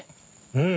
うん！